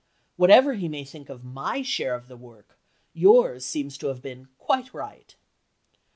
Whatever he may think of my share of the work, yours seems to have been quite right."